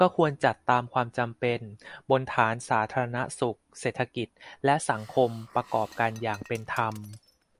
ก็ควรจัดตามความจำเป็น บนฐานสาธารณสุข เศรษฐกิจ และสังคม ประกอบกันอย่างเป็นธรรม